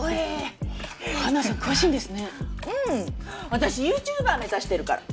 私ユーチューバー目指してるから。